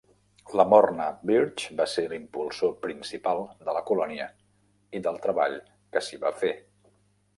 Lamorna Birch va ser l'impulsor principal de la colònia i del treball que s'hi va fer.